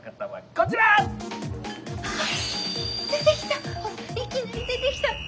ほらいきなり出てきた。